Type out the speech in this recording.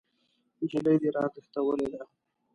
نجلۍ دې راتښتولې ده!